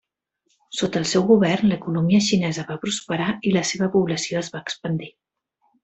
Sota el seu govern, l’economia xinesa va prosperar i la seva població es va expandir.